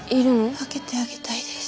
分けてあげたいです